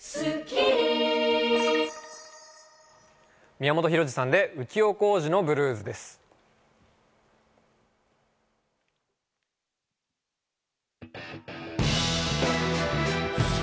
宮本浩次さんで『浮世小路のｂｌｕｅｓ』です。